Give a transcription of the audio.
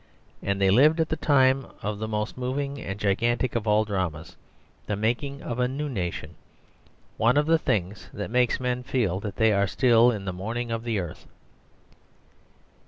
And they lived at the time of the most moving and gigantic of all dramas the making of a new nation, one of the things that makes men feel that they are still in the morning of the earth.